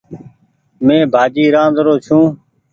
مين ڀآڃي رآدرو ڇون ۔